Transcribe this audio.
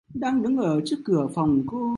Đang đứng ở trước cửa phòng cô